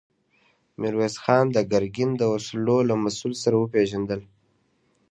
ميرويس خان د ګرګين د وسلو له مسوول سره وپېژندل.